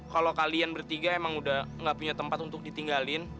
kalau kalian bertiga emang udah gak punya tempat untuk ditinggalin